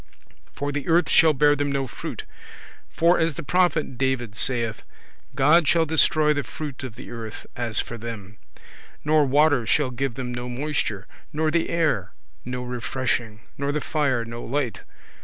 For the earth shall bear them no fruit (for, as the prophet David saith, "God shall destroy the fruit of the earth, as for them"); nor water shall give them no moisture, nor the air no refreshing, nor the fire no light.